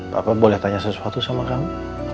bapak boleh tanya sesuatu sama kami